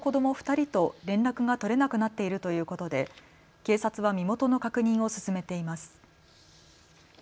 ２人と連絡が取れなくなっているということで警察は身元の確認を進めています。